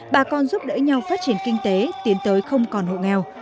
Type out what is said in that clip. bà con giúp đỡ nhau phát triển kinh tế tiến tới không còn hộ nghèo